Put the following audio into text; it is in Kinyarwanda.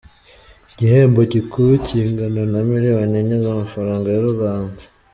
Igihembo gikuru kingana na miliyoni enye z’amafaranga y’u Rwanda.